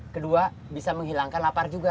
kedua bisa menghilangkan lapar juga